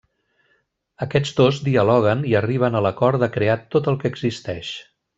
Aquests dos dialoguen i arriben a l'acord de crear tot el que existeix.